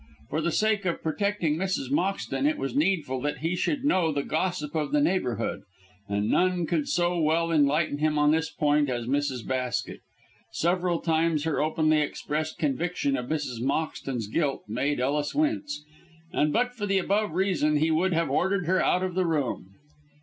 For the sake of protecting Mrs. Moxton it was needful that he should know the gossip of the neighbourhood, and none could so well enlighten him on this point as Mrs. Basket. Several times her openly expressed conviction of Mrs. Moxton's guilt made Ellis wince, and but for the above reason he would have ordered her out of the room.